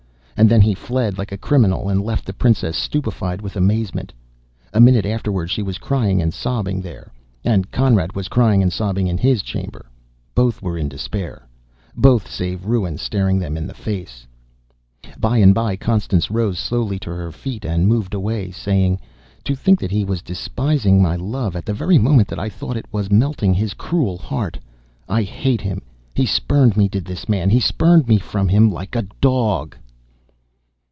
And then he fled like a criminal and left the princess stupefied with amazement. A minute afterward she was crying and sobbing there, and Conrad was crying and sobbing in his chamber. Both were in despair. Both save ruin staring them in the face. By and by Constance rose slowly to her feet and moved away, saying: "To think that he was despising my love at the very moment that I thought it was melting his cruel heart! I hate him! He spurned me did this man he spurned me from him like a dog!"